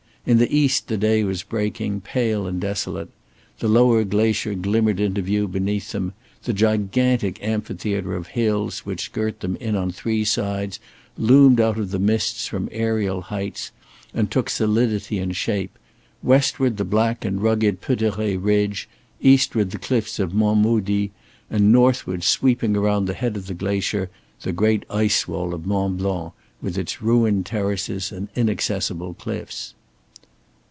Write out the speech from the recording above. In the east the day was breaking, pale and desolate; the lower glacier glimmered into view beneath them; the gigantic amphitheater of hills which girt them in on three sides loomed out of the mists from aerial heights and took solidity and shape, westward the black and rugged Peuteret ridge, eastward the cliffs of Mont Maudit, and northward sweeping around the head of the glacier, the great ice wall of Mont Blanc with its ruined terraces and inaccessible cliffs.